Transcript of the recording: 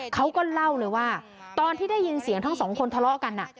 เขาก็เล่าเลยว่าตอนที่ได้ยินเสียงทั้งสองคนทะเลาะกัน